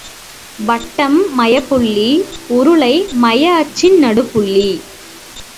வட்டம் மையப் புள்ளி, உருளை மைய அச்சின் நடுப்புள்ளி.